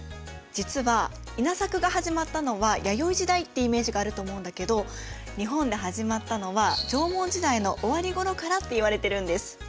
実は稲作が始まったのは弥生時代ってイメージがあると思うんだけど日本で始まったのは縄文時代の終わりごろからっていわれてるんです。